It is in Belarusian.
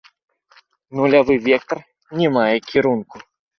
Нулявы вектар не мае кірунку.